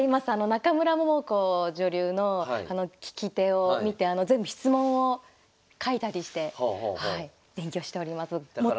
中村桃子女流の聞き手を見て全部質問を書いたりしてはい勉強しております。